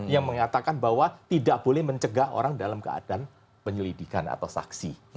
yang mengatakan bahwa tidak boleh mencegah orang dalam keadaan penyelidikan atau saksi